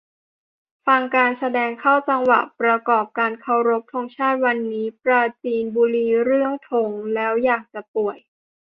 ฟังการแสดงเข้าจังหวะประกอบการเคารพธงชาติวันนี้ ปราจีนบุรี เรื่อง "ธง" แล้วอยากจะป่วย